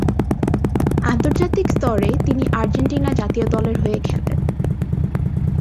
আন্তর্জাতিক স্তরে তিনি আর্জেন্টিনা জাতীয় দলের হয়ে খেলেন।